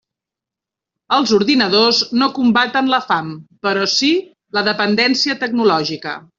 Els ordinadors no combaten la fam, però sí la dependència tecnològica.